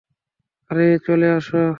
আরে, চলে আসো!